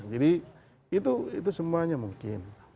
jadi itu semuanya mungkin